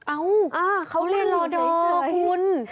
เอ้าเขาเล่นรอดอคุณ